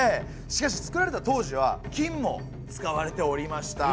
しかし造られた当時は金も使われておりました。